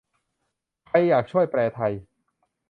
ใครอยากช่วยแปลไทย